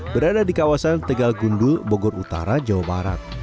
berada di kawasan tegal gundul bogor utara jawa barat